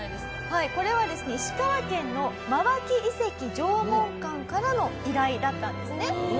これはですね石川県の真脇遺跡縄文館からの依頼だったんですね。